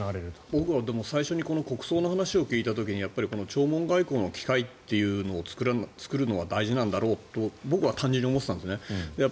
僕は最初にこの国葬の話を聞いた時に弔問外交の機会っていうのを作るのは大事なんだろうと僕は単純に思っていたんですね。